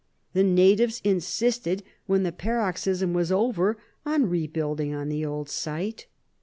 The natives insisted, when the paroxysm was over, on rebuilding on the old site.